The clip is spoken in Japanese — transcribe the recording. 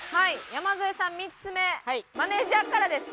山添さん３つ目マネージャーからです。